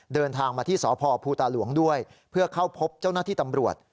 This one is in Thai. เดินทางมาที่สพภูตาหลวงด้วยเพื่อเข้าพบเจ้าหน้าที่ตำรวจ